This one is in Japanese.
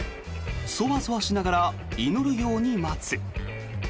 そわそわしながら祈るように待つ。